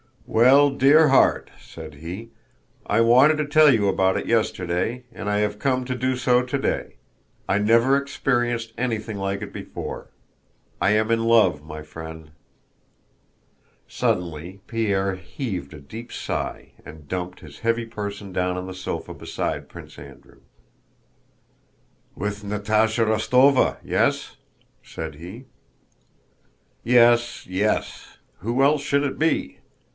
"Well, dear heart," said he, "I wanted to tell you about it yesterday and I have come to do so today. I never experienced anything like it before. I am in love, my friend!" Suddenly Pierre heaved a deep sigh and dumped his heavy person down on the sofa beside Prince Andrew. "With Natásha Rostóva, yes?" said he. "Yes, yes! Who else should it be?